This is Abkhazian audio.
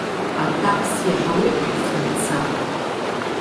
Аҭакс иаҳауеит аԥхьарца!